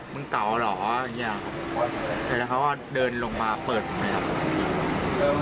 มึงเก๋ารออย่างเงี้ยครับเหมือนแล้วเค้าก็เดินลงมาเปิดมันหน่อยค่ะ